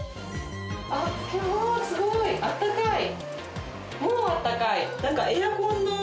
わーすごいあったかい。